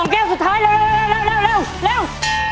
แก้วสุดท้ายเร็ว